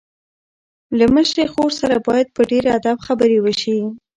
له مشرې خور سره باید په ډېر ادب خبرې وشي.